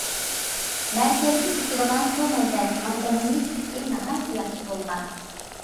مەركەزلىك ئىچىدىغان سۇ مەنبەسىنىڭ ئومۇمى سۈپىتى ناھايىتى ياخشى بولغان.